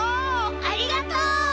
ありがとう！